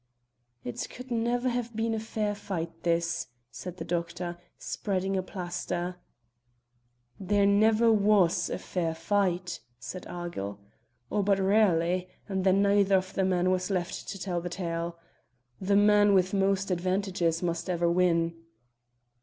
"It could never have been a fair fight this," said the doctor, spreading a plaster. "There never was a fair fight," said Argyll, "or but rarely, and then neither of the men was left to tell the tale. The man with most advantages must ever win."